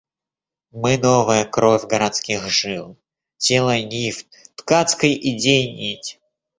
Мы новая кровь городских жил, тело нив, ткацкой идей нить.